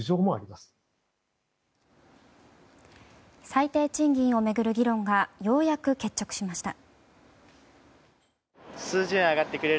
最低賃金を巡る議論がようやく決着しました。